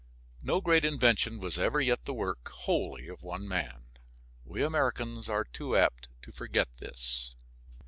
No great invention was ever yet the work, wholly, of one man. We Americans are too apt to forget this.